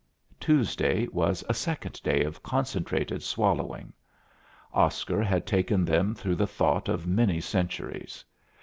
Tuesday was a second day of concentrated swallowing. Oscar had taken them through the thought of many centuries.